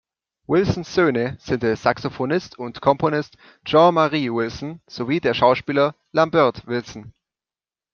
Wilsons Söhne sind der Saxophonist und Komponist Jean-Marie Willson sowie der Schauspieler Lambert Wilson.